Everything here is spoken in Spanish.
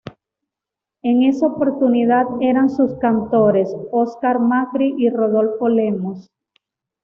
En esa oportunidad eran sus cantores: Oscar Macri y Rodolfo Lemos.